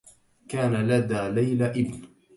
كان لدى ليلى إبن.